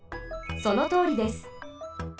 そのとおりです。